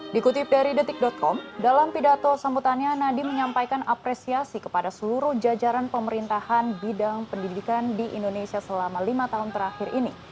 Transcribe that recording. dikutip dari detik com dalam pidato sambutannya nadiem menyampaikan apresiasi kepada seluruh jajaran pemerintahan bidang pendidikan di indonesia selama lima tahun terakhir ini